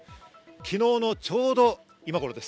昨日のちょうど今頃です。